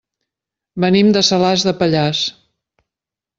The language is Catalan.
Venim de Salàs de Pallars.